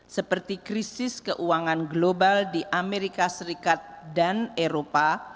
seperti krisis keuangan global di amerika serikat dan eropa